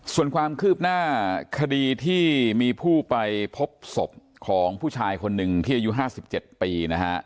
ส่วนความคืบหน้าคดีที่มีผู้ไปพบศพของผู้ชายคนหนึ่งที่อายุ๕๗ปีนะฮะ